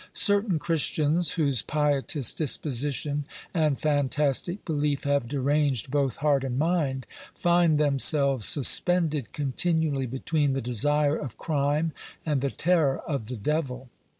Certain Christians, whose pietist disposition and fantastic belief have deranged both heart and mind, find themselves suspended continually between the desire of crime and the terror of the devil.